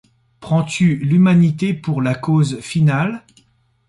Prends-tu l’humanité pour la cause finale ?